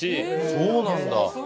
そうなんだ！